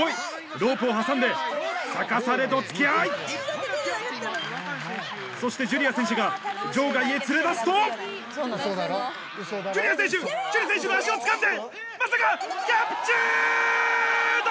ロープを挟んで逆さでど突き合いそしてジュリア選手が場外へ連れ出すとジュリア選手朱里選手の脚をつかんでまさか⁉キャプチュード！